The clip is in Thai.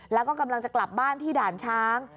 แล้วก็กำลังจะกลับบ้านที่ด่านช้าง